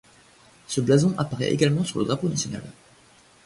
Ce blason apparaît également sur le drapeau national.